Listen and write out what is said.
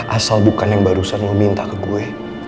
asal bukan yang barusan mau minta ke gue